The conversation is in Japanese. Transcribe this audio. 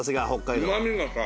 うま味がさ